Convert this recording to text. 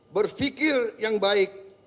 berfikir yang baik